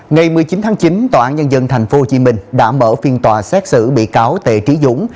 ngày một mươi chín tháng chín tòa án nhân dân tp hcm đã mở phiên tòa xét xử bị cáo tề trí dũng